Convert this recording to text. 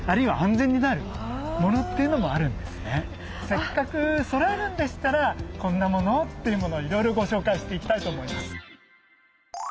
せっかくそろえるんでしたらこんなものをというものをいろいろご紹介していきたいと思います。